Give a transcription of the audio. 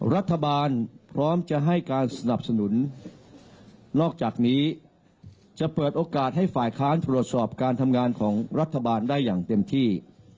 รัฐบาลพร้อมจะให้การสนับสนุนนอกจากนี้จะเปิดโอกาสให้ฝ่ายค้านตรวจสอบการทำงานของรัฐบาลได้อย่างเต็มที่